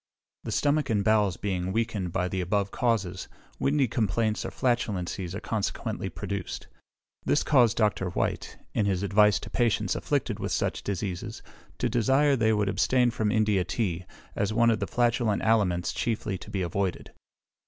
The stomach and bowels being weakened by the above causes, windy complaints or flatulencies are consequently produced. This caused Dr. Whytt, in his advice to patients afflicted with such diseases, to desire they would abstain from India tea, as one of the flatulent aliments chiefly to be avoided.